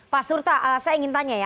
pak surta saya ingin tanya ya